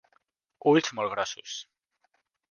Ulls molt grossos.